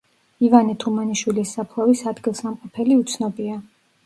ივანე თუმანიშვილის საფლავის ადგილსამყოფელი უცნობია.